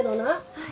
はい。